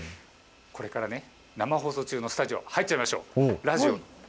これから生放送中のスタジオ入っちゃいましょう。